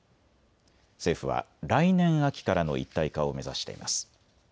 政府は来年秋からの一体化を目指しています。